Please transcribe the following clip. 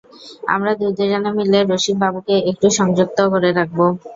আমরা দুজনে মিলে রসিকবাবুকে একটু সংযত করে রাখব।